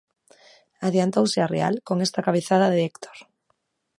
Adiantouse a Real con esta cabezada de Héctor.